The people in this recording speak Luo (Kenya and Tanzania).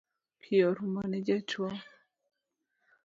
Pi orumo ne jatuo